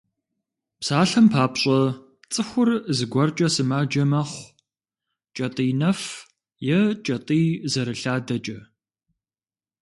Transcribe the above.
Псалъэм папщӏэ, цӏыхур зыгуэркӏэ сымаджэ мэхъу: кӏэтӏий нэф е кӏэтӏий зэрылъадэкӏэ.